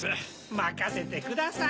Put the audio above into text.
まかせてください。